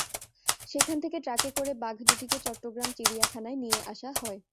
সেখান থেকে ট্রাকে করে বাঘ দুটিকে চট্টগ্রাম চিড়িয়াখানায় নিয়ে আসা হয়।